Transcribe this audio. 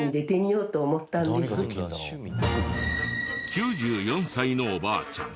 ９４歳のおばあちゃん。